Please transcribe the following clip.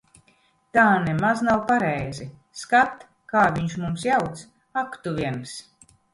Tā nemaz nav pareizi. Skat, kā viņš mums jauc. Ak tu viens.